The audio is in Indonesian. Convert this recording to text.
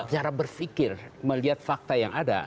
cara berpikir melihat fakta yang ada